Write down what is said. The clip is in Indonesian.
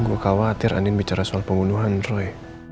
gue khawatir anin bicara soal pembunuhan roy